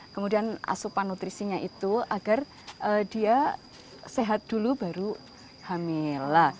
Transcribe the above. kemudian asupan nutrisinya itu agar dia sehat dulu baru hamil